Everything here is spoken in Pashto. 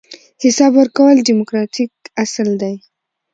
حساب ورکول دیموکراتیک اصل دی.